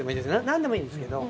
なんでもいいんですけど。